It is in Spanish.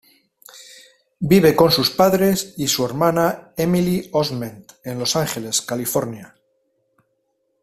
Vive con sus padres y su hermana Emily Osment en Los Ángeles, California.